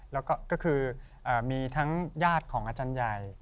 แล้วก็ก็คือมีทั้งญาติของอาจารย์ใหญ่